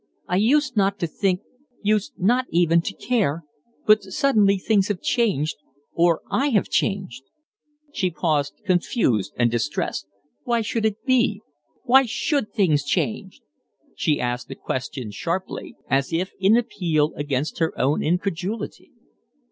I used not to think used not even to care but suddenly things have changed or I have changed." She paused, confused and distressed. "Why should it be? Why should things change?" She asked the question sharp. ly, as if in appeal against her own incredulity.